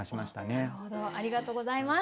なるほどありがとうございます。